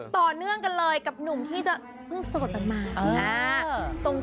ต่อเนื่องกันเลยกับหนุ่มที่เกิดส่วนสดประมาณนี้